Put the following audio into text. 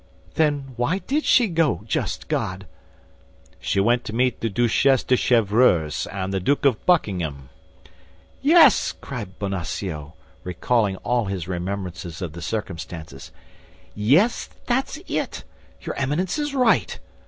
"Then why did she go, just God?" "She went to meet the Duchesse de Chevreuse and the Duke of Buckingham." "Yes," cried Bonacieux, recalling all his remembrances of the circumstances, "yes, that's it. Your Eminence is right.